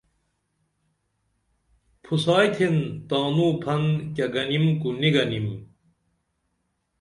پُھسائیتھین تانو پھن کیہ گنیم کو نی گنیم